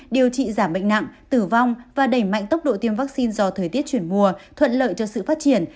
điều trị giảm bệnh nặng tử vong và đẩy mạnh tốc độ tiêm vaccine do thời tiết chuyển mùa thuận lợi cho sự phát triển